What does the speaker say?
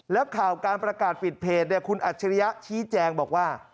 แล้วข่าวการประกาศปิดเพจคุณอัจฉริยะชี้แจงบอกว่า